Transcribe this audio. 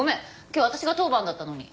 今日私が当番だったのに。